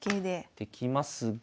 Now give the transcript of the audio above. できますが。